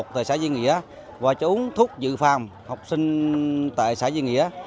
tại xã duy nghĩa và cho uống thuốc dự phòng học sinh tại xã duy nghĩa